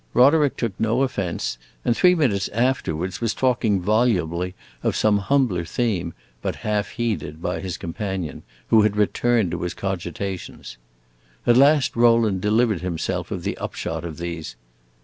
Roderick took no offense, and three minutes afterwards was talking volubly of some humbler theme, but half heeded by his companion, who had returned to his cogitations. At last Rowland delivered himself of the upshot of these.